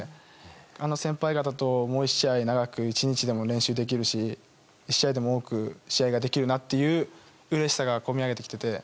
あの先輩方ともう１試合長く１日でも長く練習できるし１試合でも多く試合ができるなといううれしさがこみあげてきていて。